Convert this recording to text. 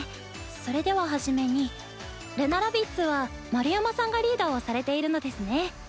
それでは初めにＬＵＮｒａ丸山さんがリーダーをされているのですね。